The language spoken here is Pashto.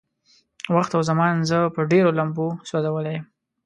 وخت او زمان زه په ډېرو لمبو سوځولی يم.